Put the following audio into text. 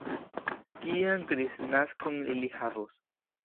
Kian kristnaskon ili havos?